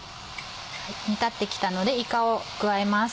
煮立って来たのでいかを加えます。